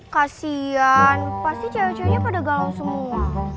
kasian pasti cewek ceweknya pada galau semua